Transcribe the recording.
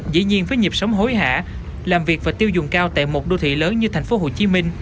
dĩ nhiên với nhịp sống hối hả làm việc và tiêu dùng cao tại một đô thị lớn như tp hcm